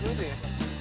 sini tuh ya